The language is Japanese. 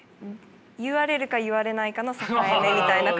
言われるか言われないかの境目みたいな感じかな。